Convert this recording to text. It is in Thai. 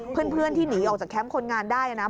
เพื่อนที่หนีออกจากแคมป์คนงานได้นะ